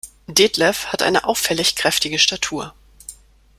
Detlef hat eine auffällig kräftige Statur.